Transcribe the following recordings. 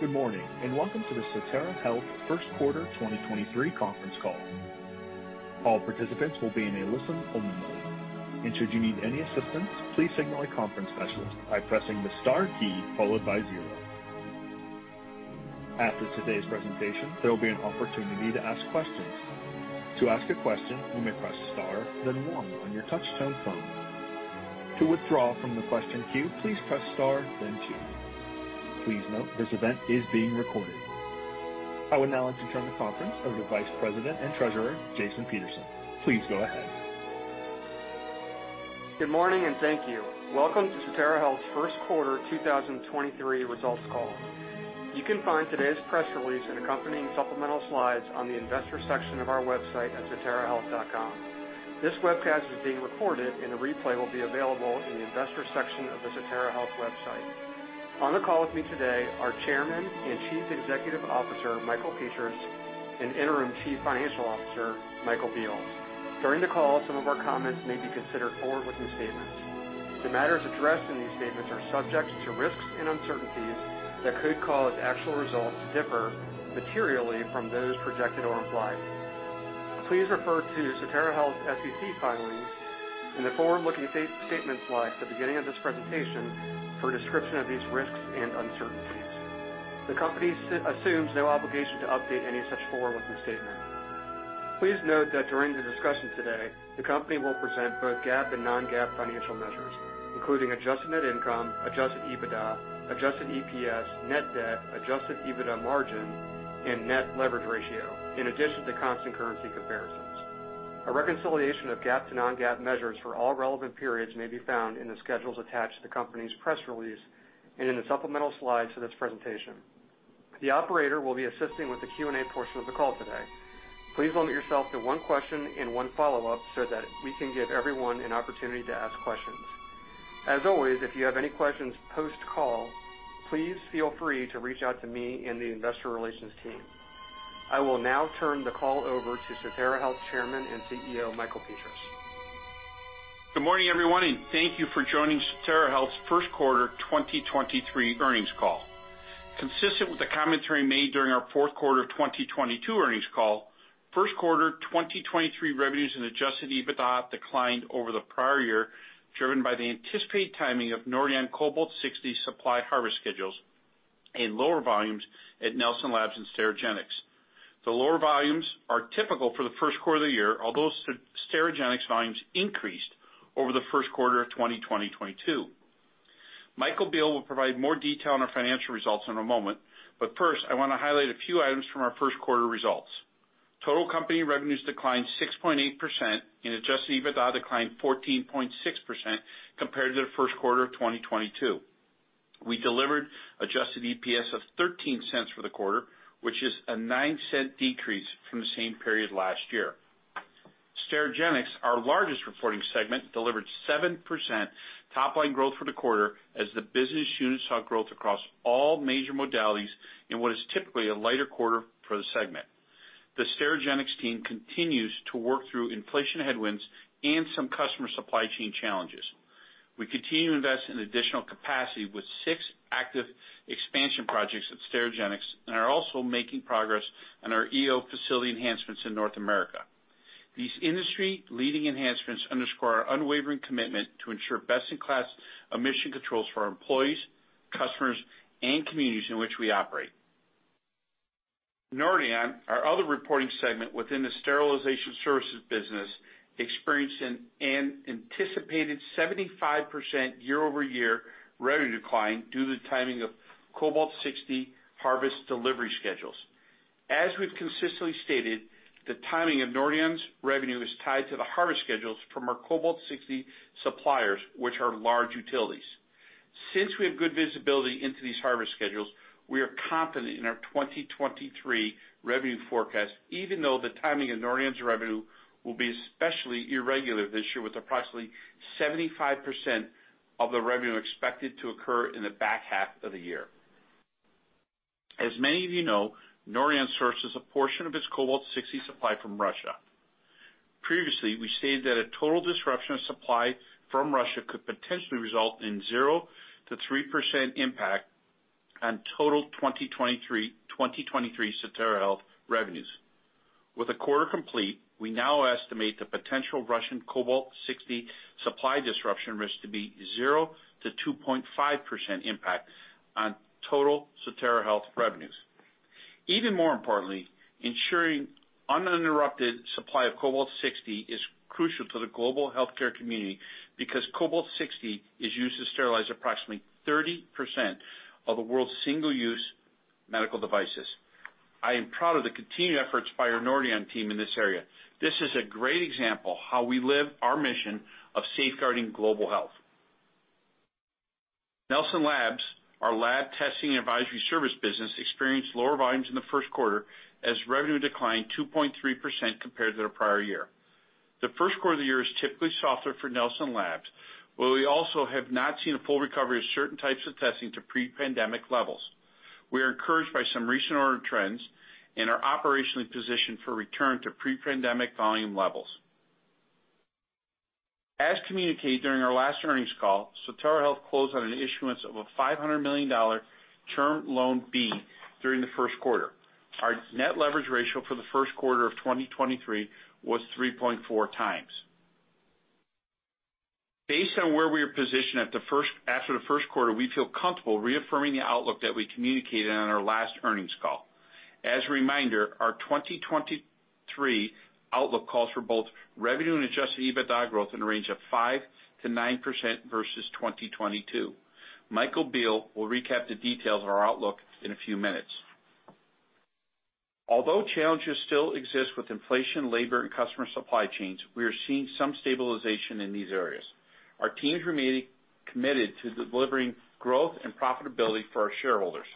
Good morning, welcome to the Sotera Health Q1 2023 conference call. All participants will be in a listen-only mode. Should you need any assistance, please signal a conference specialist by pressing the star key followed by 0. After today's presentation, there will be an opportunity to ask questions. To ask a question, you may press Star then 1 on your touchtone phone. To withdraw from the question queue, please press Star then 2. Please note this event is being recorded. I would now like to turn the conference over to Vice President and Treasurer, Jason Peterson. Please go ahead. Good morning and thank you. Welcome to Sotera Health's Q1 2023 results call. You can find today's press release and accompanying supplemental slides on the investor section of our website at soterahealth.com. This webcast is being recorded and a replay will be available in the investor section of the Sotera Health website. On the call with me today, our Chairman and Chief Executive Officer, Michael Petras, and Interim Chief Financial Officer, Michael Biehl. During the call, some of our comments may be considered forward-looking statements. The matters addressed in these statements are subject to risks and uncertainties that could cause actual results to differ materially from those projected or implied. Please refer to Sotera Health's SEC filings and the forward-looking statements slide at the beginning of this presentation for a description of these risks and uncertainties. The company assumes no obligation to update any such forward-looking statements. Please note that during the discussion today, the company will present both GAAP and non-GAAP financial measures, including Adjusted Net Income, Adjusted EBITDA, Adjusted EPS, net debt, adjusted EBITDA margin, and Net Leverage Ratio, in addition to constant currency comparisons. A reconciliation of GAAP to non-GAAP measures for all relevant periods may be found in the schedules attached to the company's press release and in the supplemental slides for this presentation. The operator will be assisting with the Q&A portion of the call today. Please limit yourself to one question and one follow-up so that we can give everyone an opportunity to ask questions. As always, if you have any questions post-call, please feel free to reach out to me and the investor relations team. I will now turn the call over to Sotera Health Chairman and CEO, Michael Petras. Good morning, everyone, thank you for joining Sotera Health's Q1 2023 earnings call. Consistent with the commentary made during our fourth quarter of 2022 earnings call, Q1 2023 revenues and Adjusted EBITDA declined over the prior year, driven by the anticipated timing of Nordion Cobalt-60 supply harvest schedules and lower volumes at Nelson Labs and Sterigenics. The lower volumes are typical for the Q1 of the year, although Sterigenics volumes increased over the Q1 of 2022. Michael Biehl will provide more detail on our financial results in a moment, first, I wanna highlight a few items from our Q1 results. Total company revenues declined 6.8% and Adjusted EBITDA declined 14.6% compared to the Q1 of 2022. We delivered Adjusted EPS of $0.13 for the quarter, which is a $0.09 decrease from the same period last year. Sterigenics, our largest reporting segment, delivered 7% top-line growth for the quarter as the business unit saw growth across all major modalities in what is typically a lighter quarter for the segment. The Sterigenics team continues to work through inflation headwinds and some customer supply chain challenges. We continue to invest in additional capacity with 6 active expansion projects at Sterigenics and are also making progress on our EO facility enhancements in North America. These industry-leading enhancements underscore our unwavering commitment to ensure best-in-class emission controls for our employees, customers, and communities in which we operate. Nordion, our other reporting segment within the sterilization services business, experienced an anticipated 75% year-over-year revenue decline due to the timing of Cobalt-60 harvest delivery schedules. As we've consistently stated, the timing of Nordion's revenue is tied to the harvest schedules from our Cobalt-60 suppliers, which are large utilities. Since we have good visibility into these harvest schedules, we are confident in our 2023 revenue forecast, even though the timing of Nordion's revenue will be especially irregular this year, with approximately 75% of the revenue expected to occur in the back half of the year. As many of you know, Nordion sources a portion of its Cobalt-60 supply from Russia. Previously, we stated that a total disruption of supply from Russia could potentially result in 0% to 3% impact on total 2023 Sotera Health revenues. With a quarter complete, we now estimate the potential Russian Cobalt-60 supply disruption risk to be 0% to 2.5% impact on total Sotera Health revenues. Even more importantly, ensuring uninterrupted supply of Cobalt-60 is crucial to the global healthcare community because Cobalt-60 is used to sterilize approximately 30% of the world's single-use medical devices. I am proud of the continued efforts by our Nordion team in this area. This is a great example how we live our mission of safeguarding global health. Nelson Labs, our lab testing and advisory service business, experienced lower volumes in the Q1 as revenue declined 2.3% compared to their prior year. The Q1 of the year is typically softer for Nelson Labs, where we also have not seen a full recovery of certain types of testing to pre-pandemic levels. We are encouraged by some recent order trends and are operationally positioned for return to pre-pandemic volume levels. As communicated during our last earnings call, Sotera Health closed on an issuance of a $500 million Term Loan B during the Q1. Our Net Leverage Ratio for the Q1 of 2023 was 3.4 times. Based on where we are positioned after the Q1, we feel comfortable reaffirming the outlook that we communicated on our last earnings call. As a reminder, our 2023 outlook calls for both revenue and Adjusted EBITDA growth in a range of 5% to 9% versus 2022. Michael Biehl will recap the details of our outlook in a few minutes. Although challenges still exist with inflation, labor, and customer supply chains, we are seeing some stabilization in these areas. Our teams remaining committed to delivering growth and profitability for our shareholders.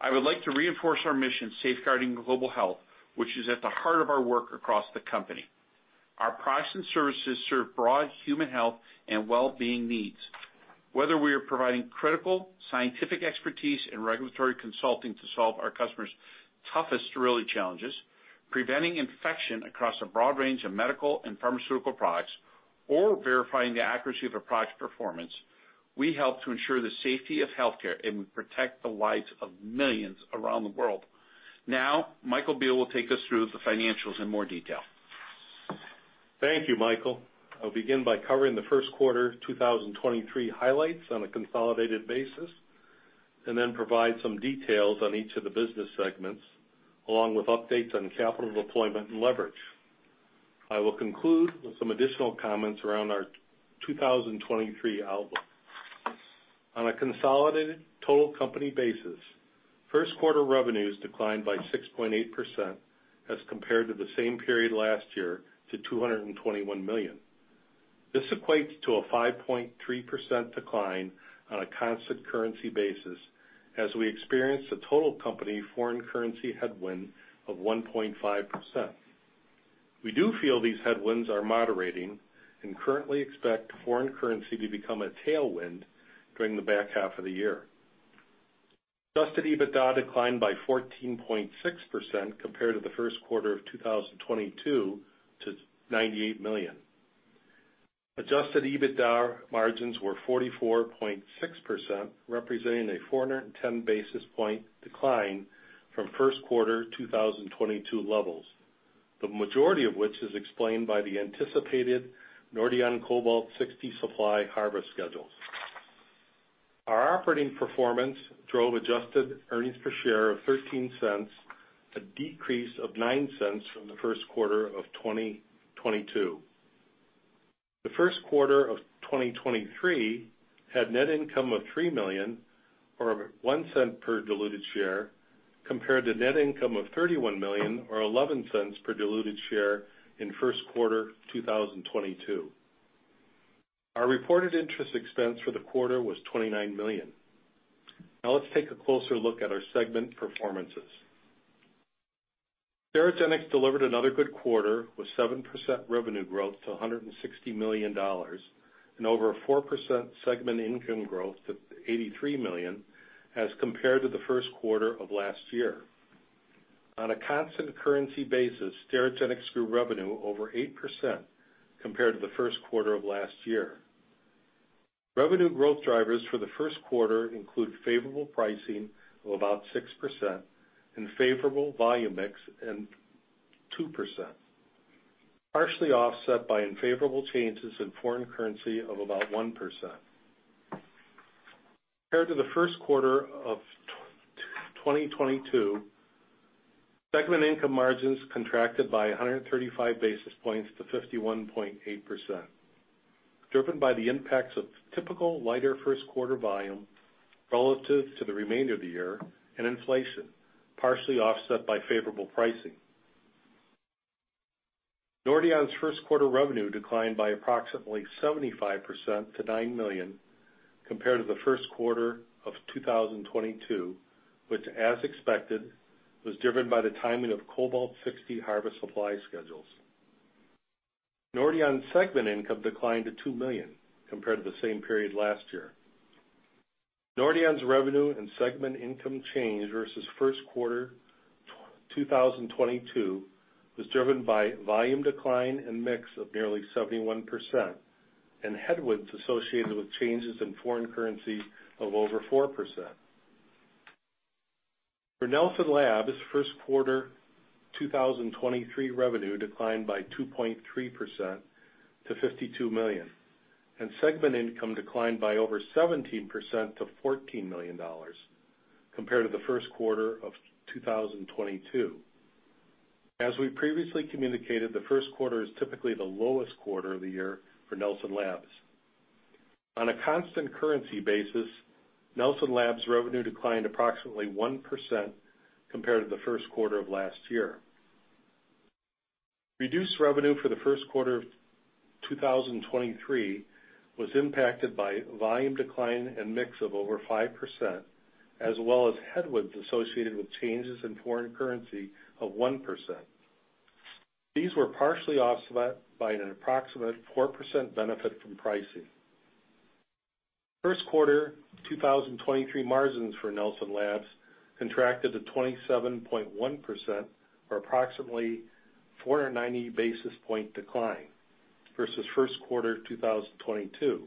I would like to reinforce our mission, safeguarding global health, which is at the heart of our work across the company. Our products and services serve broad human health and well-being needs. Whether we are providing critical scientific expertise and regulatory consulting to solve our customers' toughest really challenges, preventing infection across a broad range of medical and pharmaceutical products, or verifying the accuracy of a product's performance, we help to ensure the safety of healthcare, and we protect the lives of millions around the world. Now, Michael Biehl will take us through the financials in more detail. Thank you, Michael. I'll begin by covering the Q1 2023 highlights on a consolidated basis, and then provide some details on each of the business segments, along with updates on capital deployment and leverage. I will conclude with some additional comments around our 2023 outlook. On a consolidated total company basis, Q1 revenues declined by 6.8% as compared to the same period last year to $221 million. This equates to a 5.3% decline on a constant currency basis as we experienced a total company foreign currency headwind of 1.5%. We do feel these headwinds are moderating and currently expect foreign currency to become a tailwind during the back half of the year. Adjusted EBITDA declined by 14.6% compared to the Q1 of 2022 to $98 million. Adjusted EBITDA margins were 44.6%, representing a 410 basis point decline from Q1 2022 levels, the majority of which is explained by the anticipated Nordion Cobalt-60 supply harvest schedules. Our operating performance drove Adjusted earnings per share of $0.13, a decrease of $0.09 from the Q1 of 2022. The Q1 of 2023 had net income of $3 million, or $0.01 per diluted share, compared to net income of $31 million or $0.11 per diluted share in Q1 2022. Our reported interest expense for the quarter was $29 million. Now let's take a closer look at our segment performances. Sterigenics delivered another good quarter with 7% revenue growth to $160 million and over a 4% segment income growth to $83 million as compared to the Q1 of last year. On a constant currency basis, Sterigenics grew revenue over 8% compared to the Q1 of last year. Revenue growth drivers for the Q1 include favorable pricing of about 6% and favorable volume mix and 2%, partially offset by unfavorable changes in foreign currency of about 1%. Compared to the Q1 of 2022, segment income margins contracted by 135 basis points to 51.8%, driven by the impacts of typical lighter Q1 volume relative to the remainder of the year and inflation, partially offset by favorable pricing. Nordion's Q1 revenue declined by approximately 75% to $9 million compared to the Q1 of 2022, which, as expected, was driven by the timing of Cobalt-60 harvest supply schedules. Nordion's segment income declined to $2 million compared to the same period last year. Nordion's revenue and segment income change versus Q1 2022 was driven by volume decline and mix of nearly 71% and headwinds associated with changes in foreign currency of over 4%. For Nelson Labs' Q1 2023 revenue declined by 2.3% to $52 million. Segment income declined by over 17% to $14 million compared to the Q1 of 2022. As we previously communicated, the Q1 is typically the lowest quarter of the year for Nelson Labs. On a constant currency basis, Nelson Labs' revenue declined approximately 1% compared to the Q1 of last year. Reduced revenue for the Q1 of 2023 was impacted by volume decline and mix of over 5%, as well as headwinds associated with changes in foreign currency of 1%. These were partially offset by an approximate 4% benefit from pricing. Q1 2023 margins for Nelson Labs contracted to 27.1% or approximately 490 basis point decline versus Q1 2022.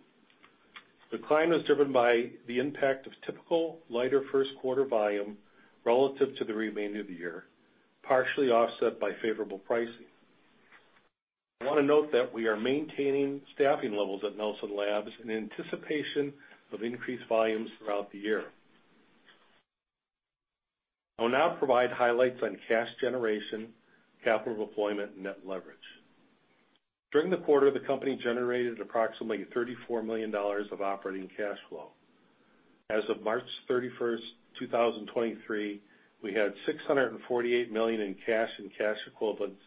Decline was driven by the impact of typical lighter Q1 volume relative to the remainder of the year, partially offset by favorable pricing. I wanna note that we are maintaining staffing levels at Nelson Labs in anticipation of increased volumes throughout the year. I'll now provide highlights on cash generation, capital deployment, and net leverage. During the quarter, the company generated approximately $34 million of operating cash flow. As of March 31, 2023, we had $648 million in cash and cash equivalents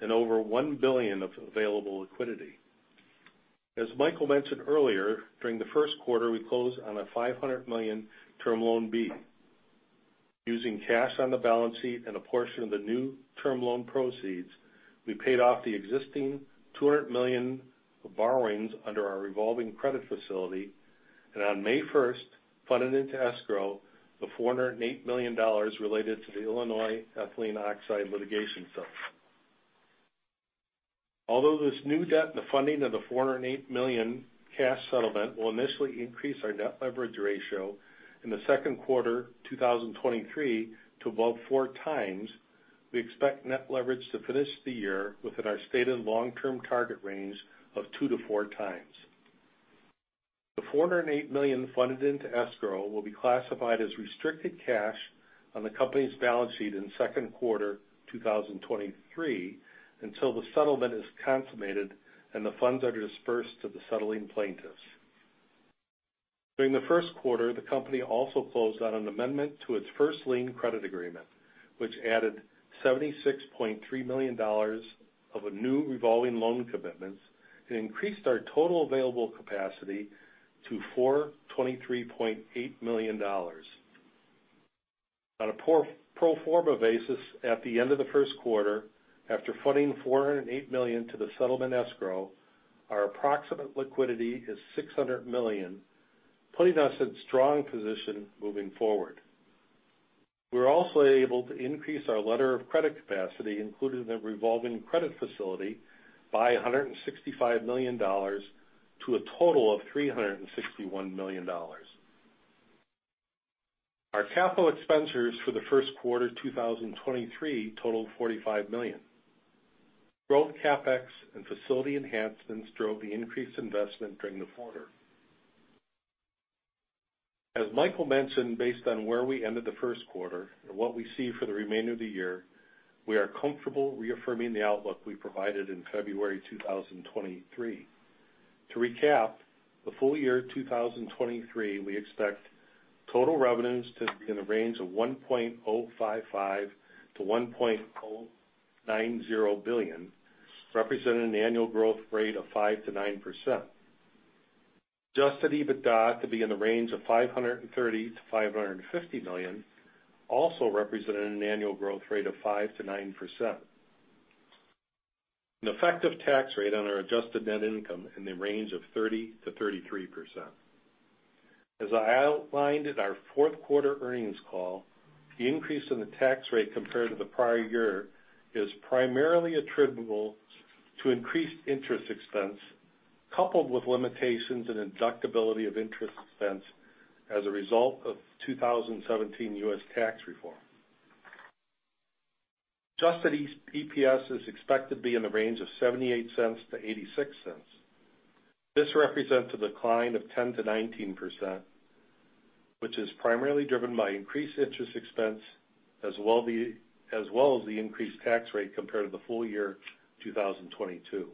and over $1 billion of available liquidity. As Michael mentioned earlier, during the Q1, we closed on a $500 million Term Loan B. Using cash on the balance sheet and a portion of the new term loan proceeds, we paid off the existing $200 million borrowings under our revolving credit facility, and on May 1, funded into escrow the $408 million related to the Illinois ethylene oxide litigation settlement. Although this new debt and the funding of the $408 million cash settlement will initially increase our Net Leverage Ratio in the second quarter 2023 to above 4x, we expect Net Leverage to finish the year within our stated long-term target range of 2-4x. The $408 million funded into escrow will be classified as restricted cash on the company's balance sheet in second quarter 2023 until the settlement is consummated and the funds are dispersed to the settling plaintiffs. During the Q1, the company also closed on an amendment to its First Lien Credit Agreement, which added $76.3 million of a new revolving loan commitments and increased our total available capacity to $423.8 million. On a pro forma basis at the end of the Q1, after funding $408 million to the settlement escrow, our approximate liquidity is $600 million, putting us in strong position moving forward. We're also able to increase our letter of credit capacity, including the revolving credit facility by $165 million to a total of $361 million. Our capital expenditures for the Q1 2023 totaled $45 million. Growth CapEx and facility enhancements drove the increased investment during the quarter. As Michael mentioned, based on where we ended the Q1 and what we see for the remainder of the year, we are comfortable reaffirming the outlook we provided in February 2023. To recap, the full year 2023, we expect total revenues to be in a range of $1.055 billion-$1.090 billion, representing an annual growth rate of 5% to 9%. Adjusted EBITDA to be in the range of $530 million-$550 million, also representing an annual growth rate of 5% to 9%. An effective tax rate on our Adjusted Net Income in the range of 30%-33%. As I outlined at our fourth quarter earnings call, the increase in the tax rate compared to the prior year is primarily attributable to increased interest expense, coupled with limitations and deductibility of interest expense as a result of 2017 US tax reform. Adjusted EPS is expected to be in the range of $0.78-$0.86. This represents a decline of 10%-19%, which is primarily driven by increased interest expense, as well as the increased tax rate compared to the full year 2022.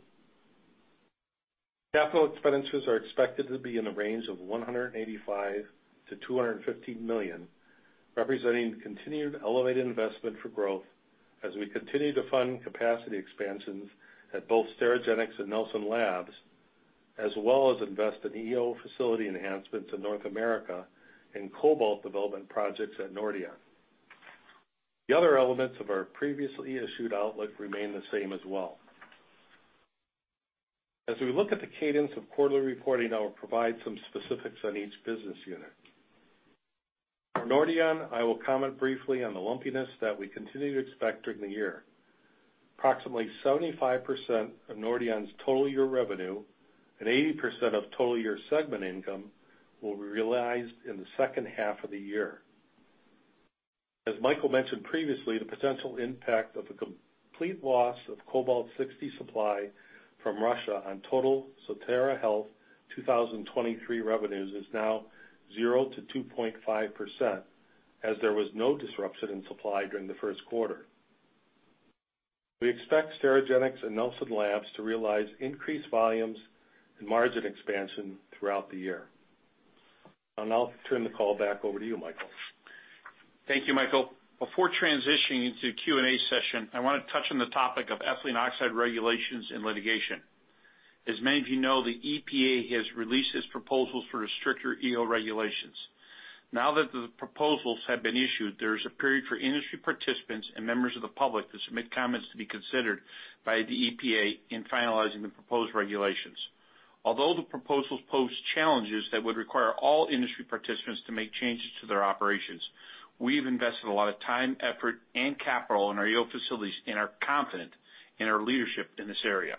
Capital expenditures are expected to be in the range of $185 million-$215 million, representing continued elevated investment for growth as we continue to fund capacity expansions at both Sterigenics and Nelson Labs, as well as invest in EO facility enhancements in North America and cobalt development projects at Nordion. The other elements of our previously issued outlook remain the same as well. As we look at the cadence of quarterly reporting, I will provide some specifics on each business unit. For Nordion, I will comment briefly on the lumpiness that we continue to expect during the year. Approximately 75% of Nordion's total year revenue and 80% of total year segment income will be realized in the second half of the year. As Michael mentioned previously, the potential impact of the complete loss of Cobalt-60 supply from Russia on total Sotera Health 2023 revenues is now 0%-2.5%, as there was no disruption in supply during the Q1. We expect Sterigenics and Nelson Labs to realize increased volumes and margin expansion throughout the year. I'll now turn the call back over to you, Michael. Thank you, Michael. Before transitioning into the Q&A session, I wanna touch on the topic of ethylene oxide regulations and litigation. As many of you know, the EPA has released its proposals for the stricter EO regulations. Now that the proposals have been issued, there is a period for industry participants and members of the public to submit comments to be considered by the EPA in finalizing the proposed regulations. Although the proposals pose challenges that would require all industry participants to make changes to their operations, we've invested a lot of time, effort, and capital in our EO facilities and are confident in our leadership in this area.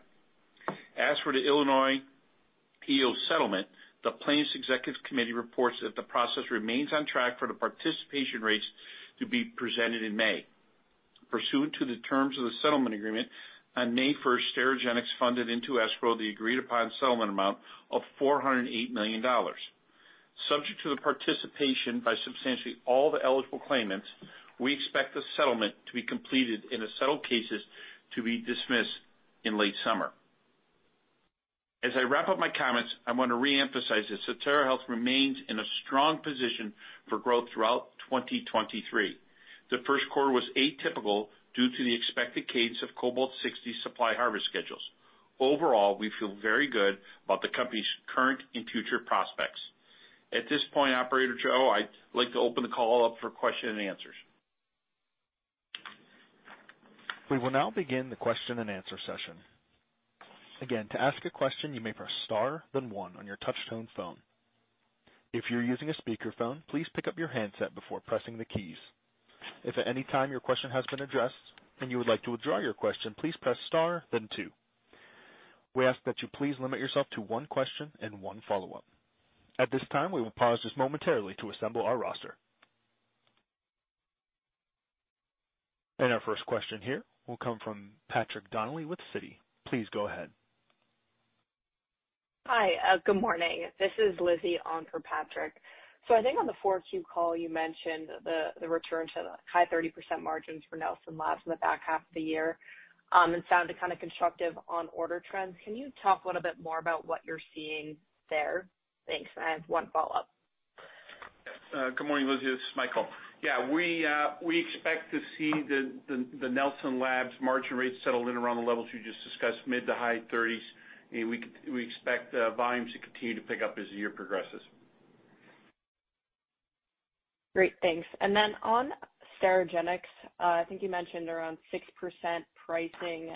As for the Illinois EO settlement, the Plaintiffs' Executive Committee reports that the process remains on track for the participation rates to be presented in May. Pursuant to the terms of the settlement agreement, on May first, Sterigenics funded into escrow the agreed-upon settlement amount of $408 million. Subject to the participation by substantially all the eligible claimants, we expect the settlement to be completed and the settled cases to be dismissed in late summer. As I wrap up my comments, I want to reemphasize that Sotera Health remains in a strong position for growth throughout 2023. The Q1 was atypical due to the expected cadence of Cobalt-60 supply harvest schedules. Overall, we feel very good about the company's current and future prospects. At this point, Operator Joe, I'd like to open the call up for question and answers. We will now begin the question-and-answer session. Again, to ask a question, you may press star, then 1 on your touchtone phone. If you're using a speakerphone, please pick up your handset before pressing the keys. If at any time your question has been addressed and you would like to withdraw your question, please press star then 2. We ask that you please limit yourself to one question and one follow-up. At this time, we will pause just momentarily to assemble our roster. Our first question here will come from Patrick Donnelly with Citi. Please go ahead. Hi. Good morning. This is Lizzie on for Patrick. I think on the 4Q call, you mentioned the return to the high 30% margins for Nelson Labs in the back half of the year, and sounded kinda constructive on order trends. Can you talk a little bit more about what you're seeing there? Thanks. I have one follow-up. Good morning, Lizzie. This is Michael. We expect to see the Nelson Labs margin rates settled in around the levels you just discussed, mid to high thirties. We expect volumes to continue to pick up as the year progresses. Great. Thanks. On Sterigenics, I think you mentioned around 6% pricing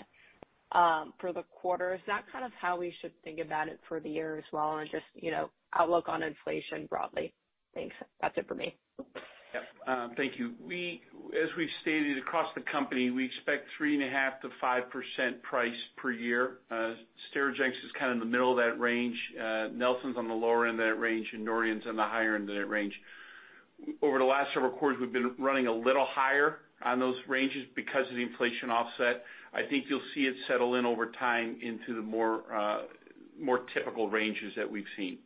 for the quarter. Is that kind of how we should think about it for the year as well, and just, you know, outlook on inflation broadly? Thanks. That's it for me. Thank you. As we've stated across the company, we expect 3.5% to 5% price per year. Sterigenics is kind of in the middle of that range, Nelson's on the lower end of that range, and Nordion's on the higher end of that range. Over the last several quarters, we've been running a little higher on those ranges because of the inflation offset. I think you'll see it settle in over time into the more typical ranges that we've seen.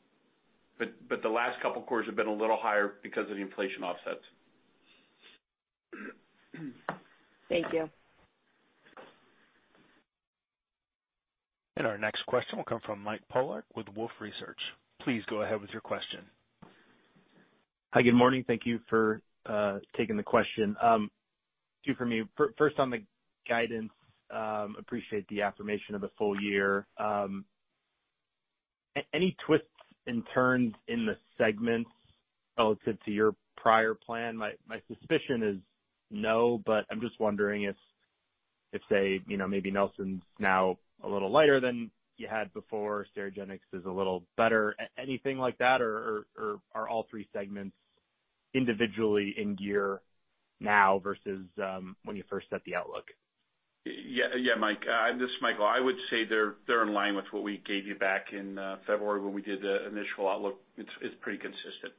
The last couple of quarters have been a little higher because of the inflation offsets. Thank you. Our next question will come from Michael Polark with Wolfe Research. Please go ahead with your question. Hi. Good morning. Thank you for taking the question. Two for me. First, on the guidance. Appreciate the affirmation of a full year. Any twists and turns in the segments relative to your prior plan? My suspicion is no, but I'm just wondering if, say, you know, maybe Nelson's now a little lighter than you had before, Sterigenics is a little better. Anything like that, or are all three segments individually in gear now versus when you first set the outlook? Yeah, yeah, Mike. This is Michael. I would say they're in line with what we gave you back in February when we did the initial outlook. It's pretty consistent.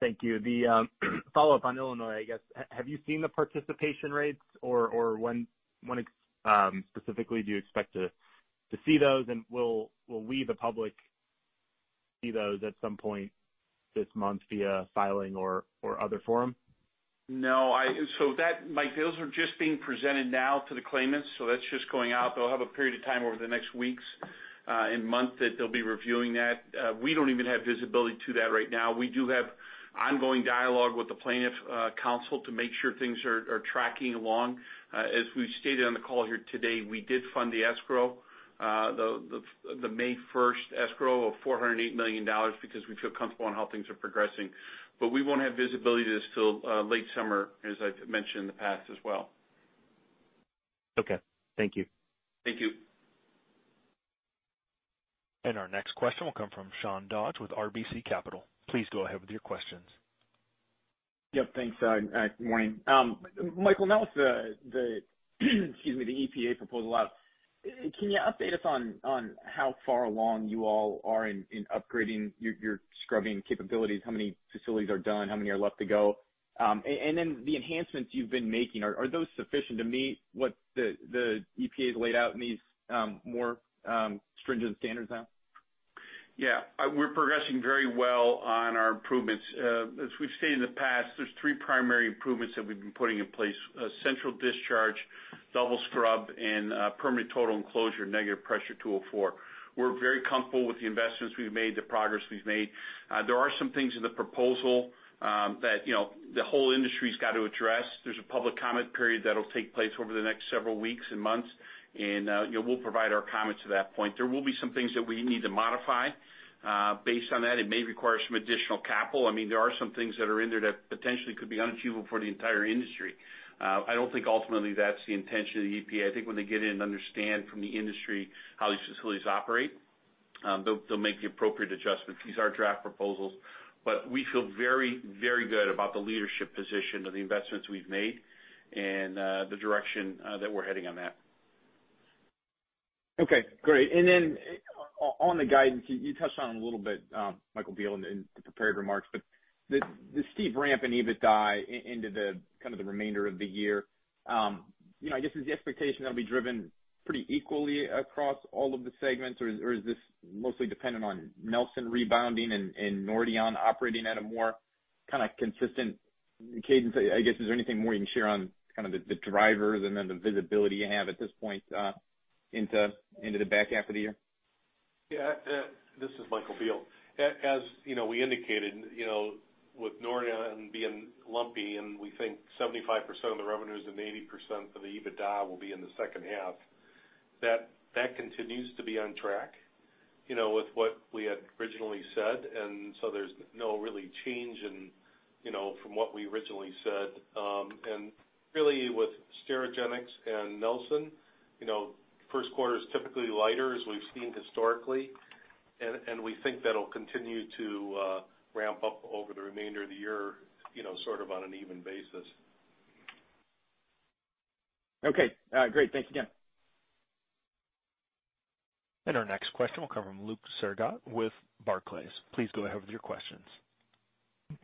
Thank you. The follow-up on Illinois, I guess. Have you seen the participation rates or when, specifically do you expect to see those? Will we, the public, see those at some point this month via filing or other forum? No. Mike, those are just being presented now to the claimants, so that's just going out. They'll have a period of time over the next weeks and month that they'll be reviewing that. We don't even have visibility to that right now. We do have ongoing dialogue with the plaintiff counsel to make sure things are tracking along. As we've stated on the call here today, we did fund the May first escrow of $408 million because we feel comfortable on how things are progressing. We won't have visibility to this till late summer, as I've mentioned in the past as well. Okay. Thank you. Thank you. Our next question will come from Sean Dodge with RBC Capital. Please go ahead with your questions. Yep. Thanks. Good morning. Michael, now with the, excuse me, the EPA proposal out, can you update us on how far along you all are in upgrading your scrubbing capabilities? How many facilities are done? How many are left to go? And then the enhancements you've been making, are those sufficient to meet what the EPA's laid out in these more stringent standards now? Yeah. We're progressing very well on our improvements. As we've stated in the past, there's three primary improvements that we've been putting in place: central discharge, Double Scrub, and Permanent Total Enclosure, negative pressure 204. We're very comfortable with the investments we've made, the progress we've made. There are some things in the proposal that, you know, the whole industry's got to address. There's a public comment period that'll take place over the next several weeks and months, and, you know, we'll provide our comment to that point. There will be some things that we need to modify based on that. It may require some additional capital. I mean, there are some things that are in there that potentially could be unachievable for the entire industry. I don't think ultimately that's the intention of the EPA. I think when they get in and understand from the industry how these facilities operate. They'll make the appropriate adjustments. These are draft proposals, but we feel very, very good about the leadership position of the investments we've made and the direction that we're heading on that. Okay, great. On the guidance, you touched on it a little bit, Michael Biehl, in the prepared remarks, but the steep ramp in EBITDA into the kind of the remainder of the year, you know, I guess is the expectation that'll be driven pretty equally across all of the segments or is this mostly dependent on Nelson rebounding and Nordion operating at a more kinda consistent cadence? I guess, is there anything more you can share on kind of the drivers and then the visibility you have at this point into the back half of the year? Yeah. This is Michael Biehl. As, you know, we indicated, you know, with Nordion being lumpy, and we think 75% of the revenues and 80% of the EBITDA will be in the second half, that continues to be on track, you know, with what we had originally said, and so there's no really change in, you know, from what we originally said. And really with Sterigenics and Nelson, you know, Q1 is typically lighter as we've seen historically, and we think that'll continue to ramp up over the remainder of the year, you know, sort of on an even basis. Okay. Great. Thanks again. Our next question will come from Luke Sergott with Barclays. Please go ahead with your questions.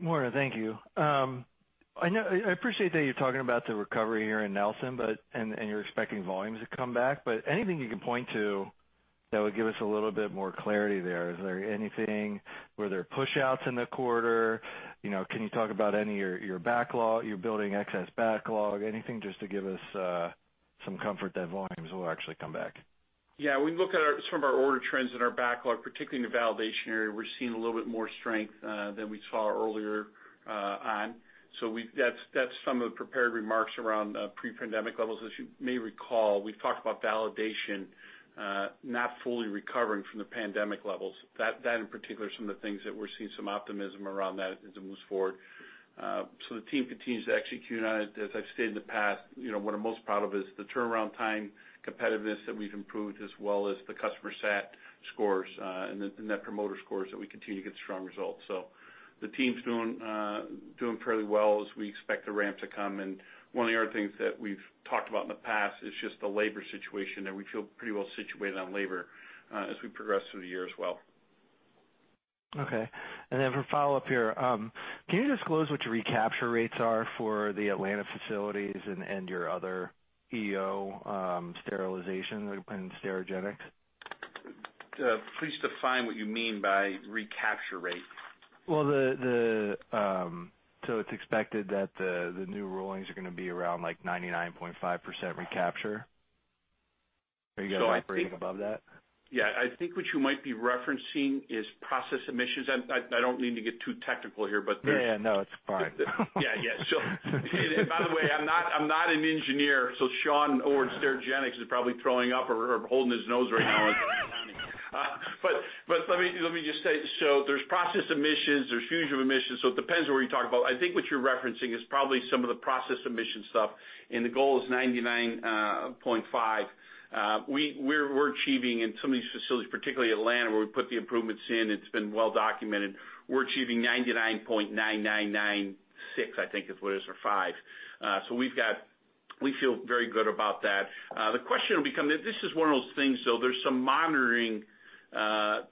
Morning. Thank you. I appreciate that you're talking about the recovery here in Nelson, and you're expecting volumes to come back, but anything you can point to that would give us a little bit more clarity there? Were there push-outs in the quarter? You know, can you talk about any of your backlog, you're building excess backlog? Anything just to give us some comfort that volumes will actually come back. We look at some of our order trends in our backlog, particularly in the validation area. We're seeing a little bit more strength than we saw earlier on. That's some of the prepared remarks around pre-pandemic levels. As you may recall, we've talked about validation not fully recovering from the pandemic levels. That in particular is some of the things that we're seeing some optimism around that as it moves forward. The team continues to execute on it. As I've stated in the past, you know, what I'm most proud of is the turnaround time competitiveness that we've improved as well as the customer sat scores and the Net Promoter Score that we continue to get strong results. The team's doing fairly well as we expect the ramp to come. One of the other things that we've talked about in the past is just the labor situation, and we feel pretty well situated on labor, as we progress through the year as well. Okay. For follow-up here, can you disclose what your recapture rates are for the Atlanta facilities and your other EO sterilization and Sterigenics? Please define what you mean by recapture rates. It's expected that the new rulings are gonna be around, like, 99.5% recapture. Are you guys operating above that? Yeah. I think what you might be referencing is process emissions. I don't mean to get too technical here, but there's. Yeah, no, it's fine. Yeah, yeah. By the way, I'm not, I'm not an engineer. Sean over at Sterigenics is probably throwing up or holding his nose right now. Let me, let me just say. There's process emissions, there's fugitive emissions. It depends on what you're talking about. I think what you're referencing is probably some of the process emissions stuff, and the goal is 99.5%. We're, we're achieving in some of these facilities, particularly Atlanta, where we put the improvements in, it's been well documented. We're achieving 99.9996%, I think is what it is, or 5. We feel very good about that. The question will become that this is one of those things, though. There's some monitoring,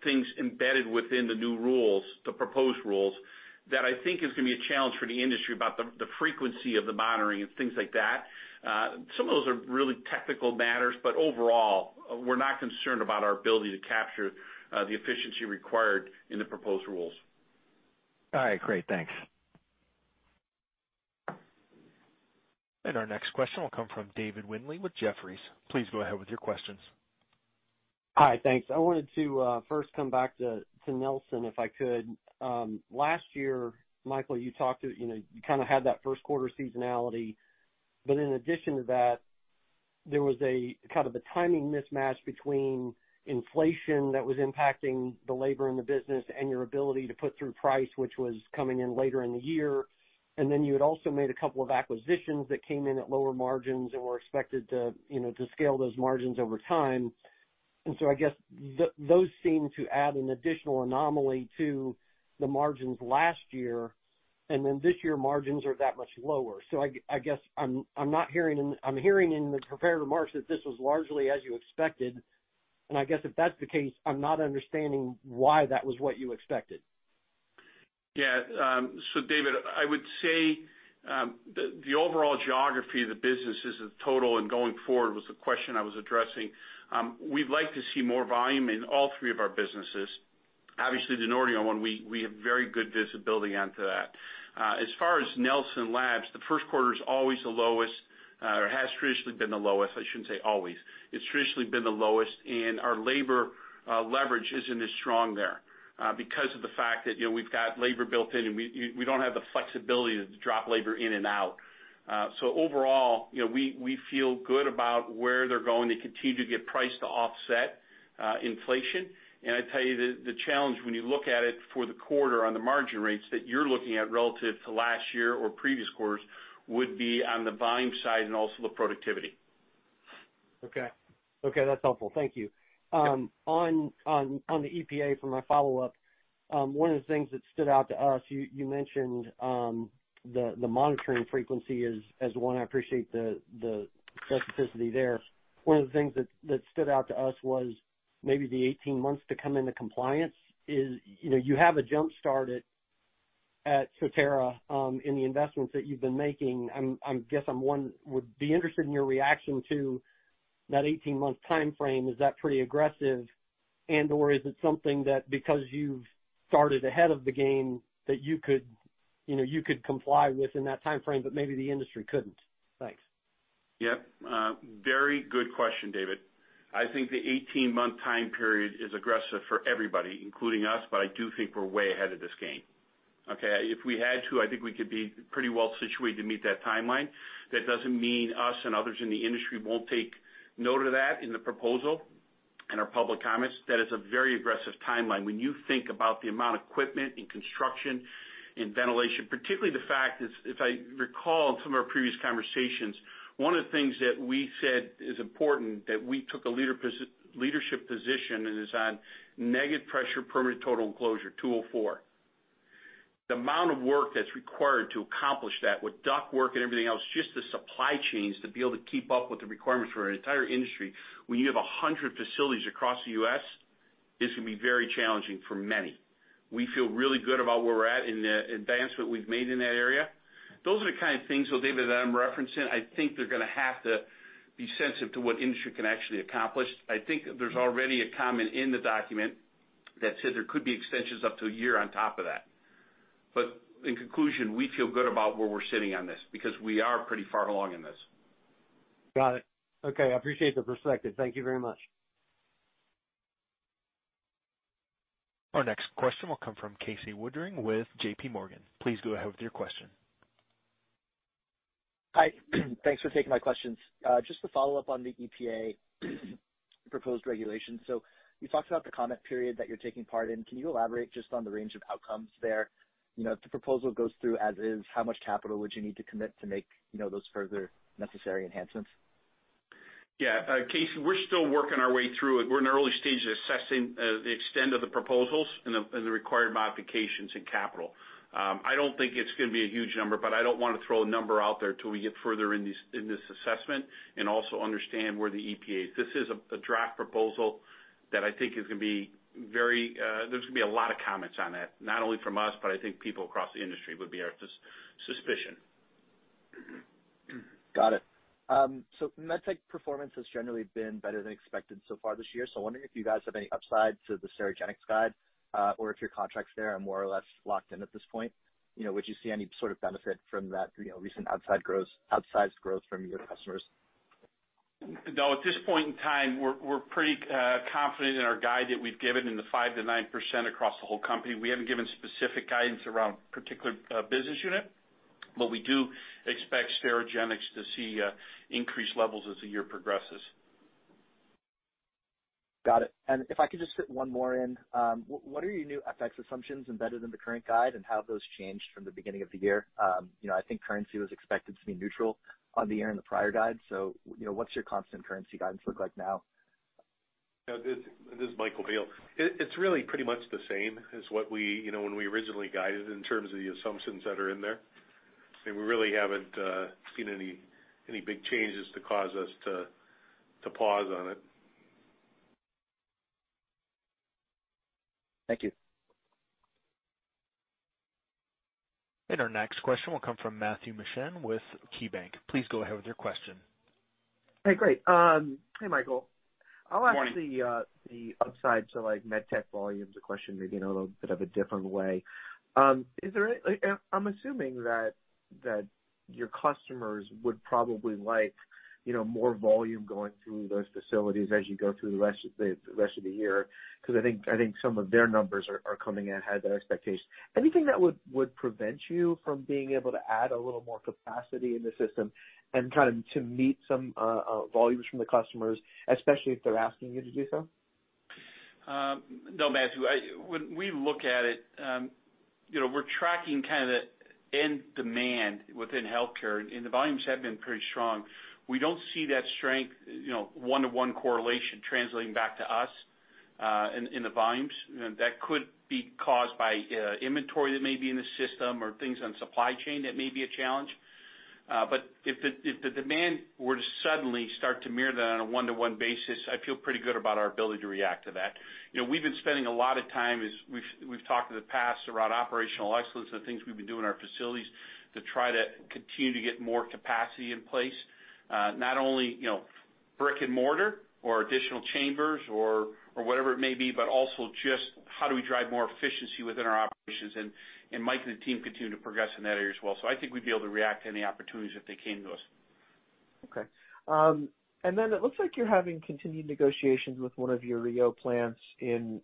things embedded within the new rules, the proposed rules, that I think is gonna be a challenge for the industry about the frequency of the monitoring and things like that. Some of those are really technical matters, but overall, we're not concerned about our ability to capture, the efficiency required in the proposed rules. All right, great. Thanks. Our next question will come from David Windley with Jefferies. Please go ahead with your questions. Hi. Thanks. I wanted to first come back to Nelson if I could. Last year, Michael, you talked to, you know, you kind of had that Q1 seasonality, but in addition to that, there was a kind of a timing mismatch between inflation that was impacting the labor in the business and your ability to put through price, which was coming in later in the year. Then you had also made a couple of acquisitions that came in at lower margins and were expected to, you know, to scale those margins over time. So I guess those seem to add an additional anomaly to the margins last year, and then this year margins are that much lower. I guess I'm not hearing in the prepared remarks that this was largely as you expected, and I guess if that's the case, I'm not understanding why that was what you expected. Yeah. David, I would say, the overall geography of the business is a total and going forward was the question I was addressing. We'd like to see more volume in all three of our businesses. Obviously, the Nordion one, we have very good visibility onto that. As far as Nelson Labs, the Q1 is always the lowest, or has traditionally been the lowest. I shouldn't say always. It's traditionally been the lowest, and our labor leverage isn't as strong there, because of the fact that, you know, we've got labor built in, and we don't have the flexibility to drop labor in and out. Overall, you know, we feel good about where they're going. They continue to get price to offset inflation. I tell you the challenge when you look at it for the quarter on the margin rates that you're looking at relative to last year or previous quarters would be on the volume side and also the productivity. Okay. Okay, that's helpful. Thank you. On the EPA for my follow-up, one of the things that stood out to us, you mentioned the monitoring frequency as the one I appreciate the specificity there. One of the things that stood out to us was maybe the 18 months to come into compliance is. You know, you have a jump-start at Sotera, in the investments that you've been making. I guess one would be interested in your reaction to that 18-month timeframe. Is that pretty aggressive and/or is it something that because you've started ahead of the game that you could, you know, you could comply with in that timeframe, but maybe the industry couldn't? Thanks. Yep. Very good question, David. I think the 18-month time period is aggressive for everybody, including us. I do think we're way ahead of this game. Okay. If we had to, I think we could be pretty well situated to meet that timeline. That doesn't mean us and others in the industry won't take note of that in the proposal and our public comments. That is a very aggressive timeline. When you think about the amount of equipment and construction and ventilation, particularly, the fact is, if I recall some of our previous conversations, one of the things that we said is important that we took a leadership position and is on negative pressure Permanent Total Enclosure, 204. The amount of work that's required to accomplish that with ductwork and everything else, just the supply chains to be able to keep up with the requirements for an entire industry when you have 100 facilities across the US, is gonna be very challenging for many. We feel really good about where we're at in the advancement we've made in that area. Those are the kind of things, though, David, that I'm referencing. I think they're gonna have to be sensitive to what industry can actually accomplish. I think there's already a comment in the document that said there could be extensions up to 1 year on top of that. In conclusion, we feel good about where we're sitting on this because we are pretty far along in this. Got it. Okay. I appreciate the perspective. Thank you very much. Our next question will come from Casey Woodring with JPMorgan. Please go ahead with your question. Hi. Thanks for taking my questions. Just to follow up on the EPA proposed regulations. You talked about the comment period that you're taking part in. Can you elaborate just on the range of outcomes there? You know, if the proposal goes through as is, how much capital would you need to commit to make, you know, those further necessary enhancements? Casey, we're still working our way through it. We're in the early stages of assessing the extent of the proposals and the required modifications in capital. I don't think it's gonna be a huge number, but I don't wanna throw a number out there till we get further in this assessment and also understand where the EPA is. This is a draft proposal that I think is gonna be very. There's gonna be a lot of comments on that, not only from us, but I think people across the industry would be our suspicion. Got it. Med tech performance has generally been better than expected so far this year. I'm wondering if you guys have any upside to the Sterigenics guide, or if your contracts there are more or less locked in at this point. You know, would you see any sort of benefit from that, you know, recent outsized growth from your customers? No, at this point in time, we're pretty confident in our guide that we've given in the 5% to 9% across the whole company. We haven't given specific guidance around particular business unit. We do expect Sterigenics to see increased levels as the year progresses. Got it. If I could just fit one more in. What are your new FX assumptions embedded in the current guide and how have those changed from the beginning of the year? You know, I think currency was expected to be neutral on the year in the prior guide. You know, what's your constant currency guidance look like now? This is Michael Biehl. It's really pretty much the same as what we, you know, when we originally guided in terms of the assumptions that are in there. I mean, we really haven't seen any big changes to cause us to pause on it. Thank you. Our next question will come from Matthew Mishan with KeyBanc Capital Markets. Please go ahead with your question. Hey, great. Hey, Michael. Morning. I'll ask the upside to, like, med tech volumes or question maybe in a little bit of a different way. Is there I'm assuming that your customers would probably like, you know, more volume going through those facilities as you go through the rest of the year, 'cause I think some of their numbers are coming in ahead of their expectations. Anything that would prevent you from being able to add a little more capacity in the system and kind of to meet some volumes from the customers, especially if they're asking you to do so? No, Matthew. When we look at it, you know, we're tracking kinda the end demand within healthcare, and the volumes have been pretty strong. We don't see that strength, you know, 1-to-1 correlation translating back to us, in the volumes. That could be caused by inventory that may be in the system or things on supply chain that may be a challenge. If the demand were to suddenly start to mirror that on a 1-to-1 basis, I feel pretty good about our ability to react to that. You know, we've been spending a lot of time, as we've talked in the past around operational excellence and things we've been doing in our facilities to try to continue to get more capacity in place. Not only, you know, brick and mortar or additional chambers or whatever it may be, but also just how do we drive more efficiency within our operations. Mike and the team continue to progress in that area as well. I think we'd be able to react to any opportunities if they came to us. Okay. It looks like you're having continued negotiations with one of your EO plants in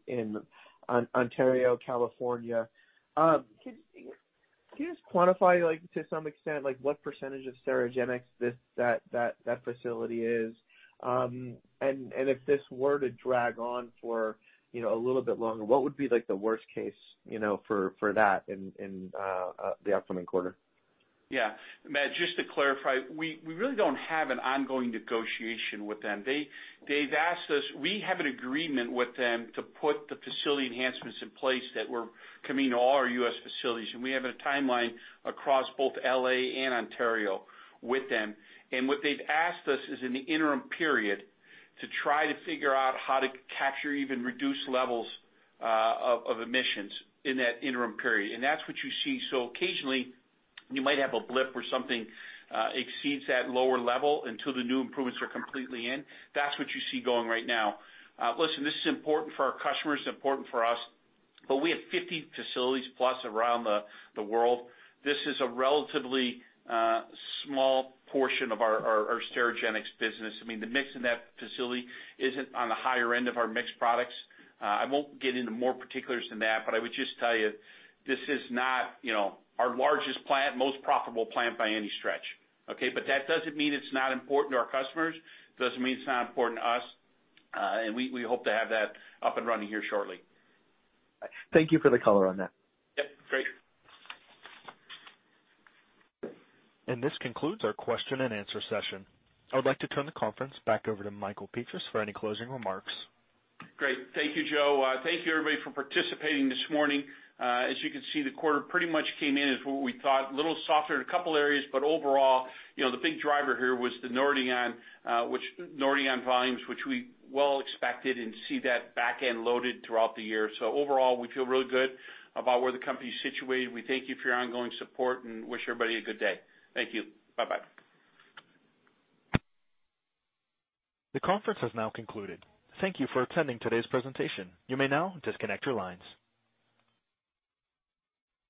Ontario, California. Can you just quantify, like, to some extent, like, what percentage of Sterigenics that facility is? If this were to drag on for, you know, a little bit longer, what would be like the worst case, you know, for that in the upcoming quarter? Yeah. Matt, just to clarify, we really don't have an ongoing negotiation with them. They've asked us. We have an agreement with them to put the facility enhancements in place that we're coming to all our US facilities, and we have a timeline across both L.A. and Ontario with them. What they've asked us is in the interim period to try to figure out how to capture even reduced levels of emissions in that interim period. That's what you see. Occasionally you might have a blip where something exceeds that lower level until the new improvements are completely in. That's what you see going right now. Listen, this is important for our customers, important for us, but we have 50 facilities plus around the world. This is a relatively small portion of our Sterigenics business. I mean, the mix in that facility isn't on the higher end of our mixed products. I won't get into more particulars than that, I would just tell you this is not, you know, our largest plant, most profitable plant by any stretch. Okay? That doesn't mean it's not important to our customers. It doesn't mean it's not important to us. We hope to have that up and running here shortly. Thank you for the color on that. Yep. Great. This concludes our question and answer session. I would like to turn the conference back over to Michael Petras for any closing remarks. Great. Thank you, Joe. Thank you, everybody, for participating this morning. As you can see, the quarter pretty much came in as what we thought. A little softer in a couple areas, but overall, you know, the big driver here was the Nordion volumes, which we well expected and see that back-end loaded throughout the year. Overall, we feel really good about where the company's situated. We thank you for your ongoing support and wish everybody a good day. Thank you. Bye-bye. The conference has now concluded. Thank you for attending today's presentation. You may now disconnect your lines.